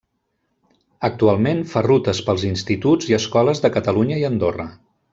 Actualment fa rutes pels instituts i escoles de Catalunya i Andorra.